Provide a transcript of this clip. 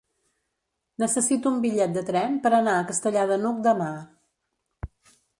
Necessito un bitllet de tren per anar a Castellar de n'Hug demà.